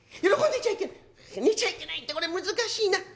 寝ちゃいけないってこれ難しいな」。